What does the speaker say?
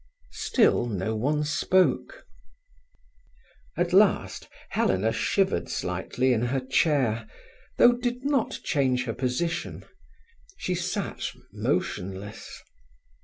Still no one spoke. At last Helena shivered slightly in her chair, though did not change her position. She sat motionless.